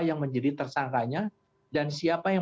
yang menjadi tersangkanya dan siapa yang